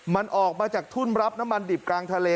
มันออกมาจากทุ่นรับน้ำมันดิบกลางทะเล